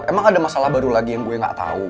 emang ada masalah baru lagi yang gue gak tau